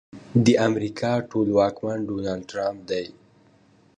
د امريکا ټولواکمن ډونالډ ټرمپ دی.